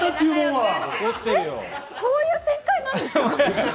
私、こういう展開なんですか？